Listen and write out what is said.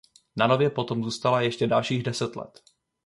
Na Nově potom zůstala ještě dalších deset let.